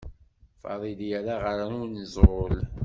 Fadil yerra ɣer unẓul.